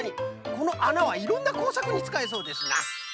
このあなはいろんなこうさくにつかえそうですな。